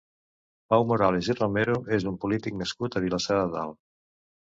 Pau Morales i Romero és un polític nascut a Vilassar de Dalt.